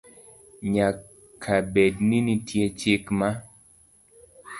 Nyaka bed ni nitie chik ma